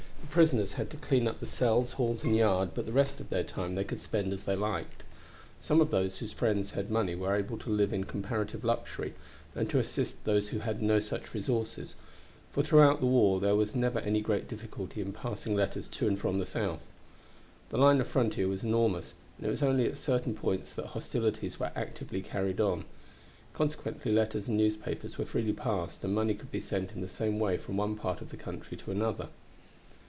The prisoners had to clean up the cells, halls, and yard, but the rest of their time they could spend as they liked. Some of those whose friends had money were able to live in comparative luxury, and to assist those who had no such resources; for throughout the war there was never any great difficulty in passing letters to and from the South. The line of frontier was enormous, and it was only at certain points that hostilities, were actively carried on; consequently letters and newspapers were freely passed, and money could be sent in the same way from one part of the country to another.